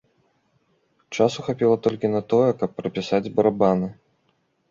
Часу хапіла толькі на тое, каб прапісаць барабаны.